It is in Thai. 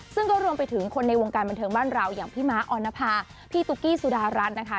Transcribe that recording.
ซึ่งก็รวมไปถึงคนในวงการบันเทิงบ้านเราอย่างพี่ม้าออนภาพี่ตุ๊กกี้สุดารัฐนะคะ